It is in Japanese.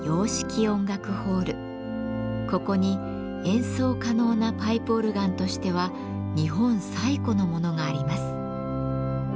ここに演奏可能なパイプオルガンとしては日本最古のものがあります。